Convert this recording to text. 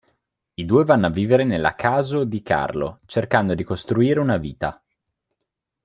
I due vanno a vivere nella caso di Carlo cercando di costruire una vita.